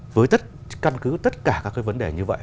với căn cứ tất cả các vấn đề như vậy